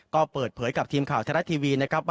ก็เปิดเผยกับทีมข่าวไทยรัฐทีวีนะครับ